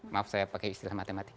maaf saya pakai istilah matematik